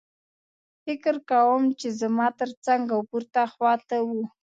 فکر کوم چې زما ترڅنګ او پورته خوا ته وو